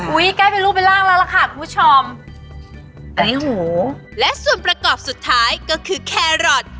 ใกล้เป็นรูปเป็นร่างแล้วล่ะค่ะคุณผู้ชมอันนี้หูและส่วนประกอบสุดท้ายก็คือแครอท